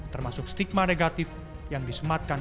termasuk stigma negatif yang disematkan